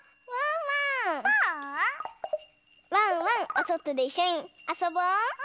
おそとでいっしょにあそぼう！